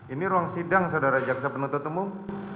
ini ruang sidang saudara jaksa penuntut umum